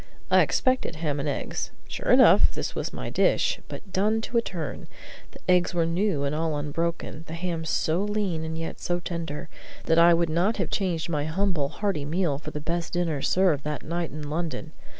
I expected ham and eggs. Sure enough, this was my dish, but done to a turn. The eggs were new and all unbroken, the ham so lean and yet so tender, that I would not have exchanged my humble, hearty meal for the best dinner served that night in London.